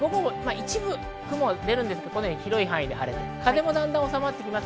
一部、雲が出ますが、広い範囲で晴れます。